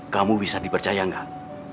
kamu bisa dipercaya tidak